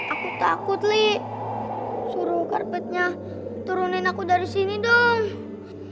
aku takut sama gak kenapa enakan naik karpet collects